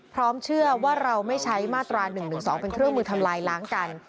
พร้อมเชื่อว่าเราไม่ใช้มาตรา๑๑๒เป็นเครื่องมือทำลายล้างกัน